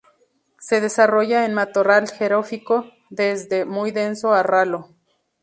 Se desarrolla en matorral xerófilo, desde muy denso a ralo.